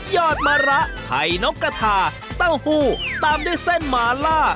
อดมะระไข่นกกระทาเต้าหู้ตามด้วยเส้นหมาล่า